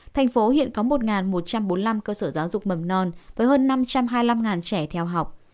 thành phố hiện có một một trăm bốn mươi năm cơ sở giáo dục mầm non với hơn năm trăm hai mươi năm trẻ theo học